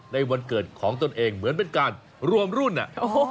วันเกิดของตนเองเหมือนเป็นการรวมรุ่น